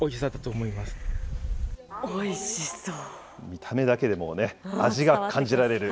見た目だけでもうね、味が感じられる。